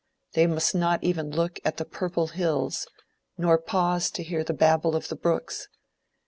They must not even look at the purple hills, nor pause to hear the babble of the brooks.